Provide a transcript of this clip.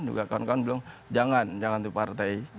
juga kawan kawan bilang jangan jangan itu partai